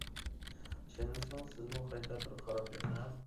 ئىشەنمىسىڭىز سىزمۇ قايتا بىر قاراپ بېقىڭە.